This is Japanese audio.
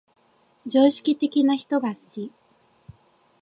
常識的な人が好き